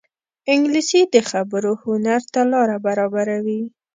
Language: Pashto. انګلیسي د خبرو هنر ته لاره برابروي